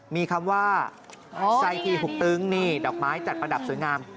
มีคำว่าไซคีหุบตึงนี่ดอกไม้จัดประดับสวยงาม